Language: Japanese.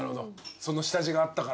その下地があったから。